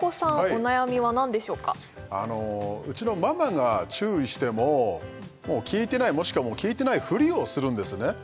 お悩みは何でしょうかあのうちのママが注意しても聞いてないもしくは聞いてないフリをするんですね